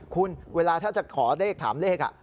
คุณเวลาถ้าจะขอเลขถามเลข